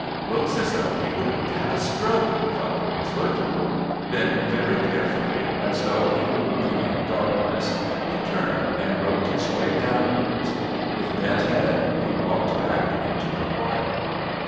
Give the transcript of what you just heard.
"Looks as though he were going to have a stroke," thought Puddifoot. Then very carefully, as though he were moving in darkness, he turned and groped his way downwards. With bent head he walked back into the choir.